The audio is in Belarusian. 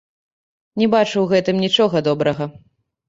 Не бачу ў гэтым нічога добрага.